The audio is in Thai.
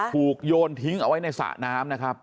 โยนทิ้งเอาไว้ในสระน้ำนะครับ